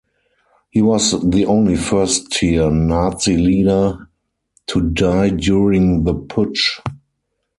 He was the only first-tier Nazi leader to die during the Putsch.